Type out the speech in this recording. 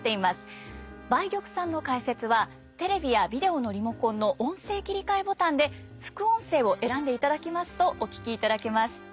梅玉さんの解説はテレビやビデオのリモコンの「音声切替」ボタンで副音声を選んでいただきますとお聞きいただけます。